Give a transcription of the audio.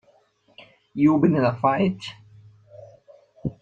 You been in a fight?